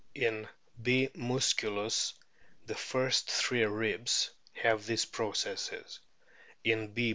In B. vmsculus the first three ribs have these processes ; in B.